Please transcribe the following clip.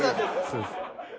そうです。